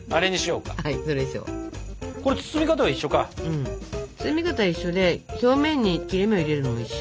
うん包み方は一緒で表面に切れ目を入れるのも一緒。